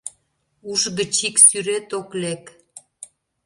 Уш гыч ик сӱрет ок лек: